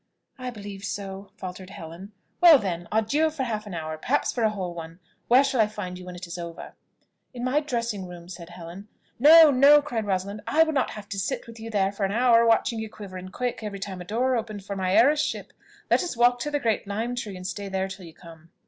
"I believe so," faltered Helen. "Well, then, adieu for half an hour, perhaps for a whole one. Where shall I find you when it is over?" "In my dressing room," said Helen. "No, no," cried Rosalind; "I would not have to sit with you there for an hour, watching you quiver and quake every time a door opened, for my heiresship. Let us walk to the great lime tree, and stay there till you come."